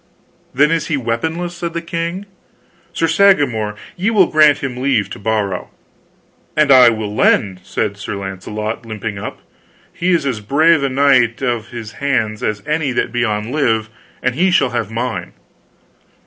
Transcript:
"Then is he weaponless," said the king. "Sir Sagramore, ye will grant him leave to borrow." "And I will lend!" said Sir Launcelot, limping up. "He is as brave a knight of his hands as any that be on live, and he shall have mine."